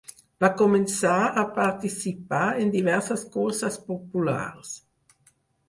Va començar a participar en diverses curses populars.